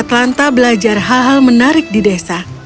atlanta belajar hal hal menarik di desa